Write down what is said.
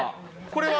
これは？